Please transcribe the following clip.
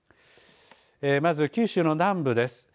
まず、九州の南部です。